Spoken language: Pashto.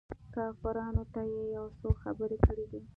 کافرانو ته يې يو څو خبرې کړي دي.